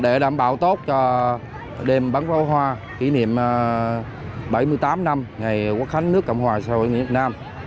để đảm bảo tốt cho đêm bắn pháo hoa kỷ niệm bảy mươi tám năm ngày quốc khánh nước cộng hòa xã hội nghĩa việt nam